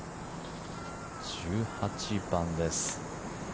１８番です。